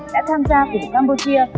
đã tham gia cùng campuchia